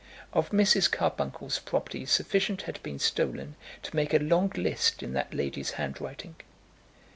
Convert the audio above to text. Of Mrs. Carbuncle's property sufficient had been stolen to make a long list in that lady's handwriting.